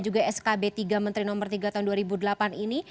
juga skb tiga menteri nomor tiga tahun dua ribu delapan ini